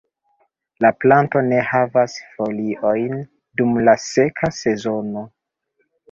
La planto ne havas foliojn dum la seka sezono.